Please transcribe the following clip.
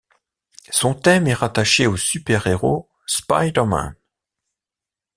Son thème est rattaché au super-héros Spider-Man.